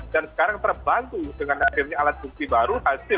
dan sekarang terbantu dengan akhirnya alat bukti baru